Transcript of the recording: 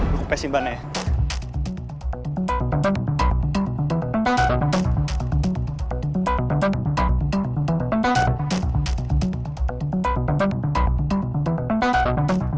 lho aku pasti bernaya